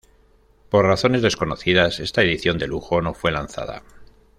Por razones desconocidas, esta edición de lujo no fue lanzada.